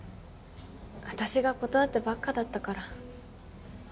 私が断ってばっかだったから。